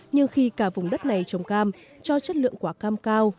nhưng khi cả vùng đất này trồng cam cho chất lượng quả cam cao